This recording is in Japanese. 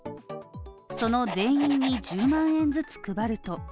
その全員に１万円ずつ配ると。